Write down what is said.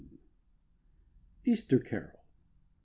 144 EASTER CAROL.